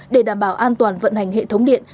để đảm bảo an toàn vận hành hệ thống điện